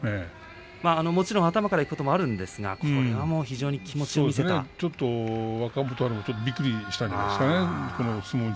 もちろん頭からいくこともあるんですが相手はびっくりしたんじゃないですかね。